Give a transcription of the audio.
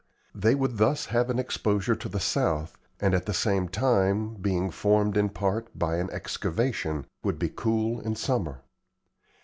They would thus have an exposure to the south, and at the same time, being formed in part by an excavation, would be cool in summer.